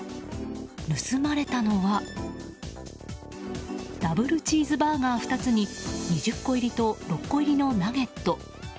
盗まれたのはダブルチーズバーガー２つに２０個入りと６個入りのナゲット。